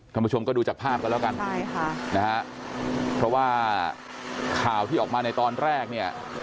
ผู้ชมก็ดูจากภาพกันแล้วกันใช่ค่ะนะฮะเพราะว่าข่าวที่ออกมาในตอนแรกเนี่ย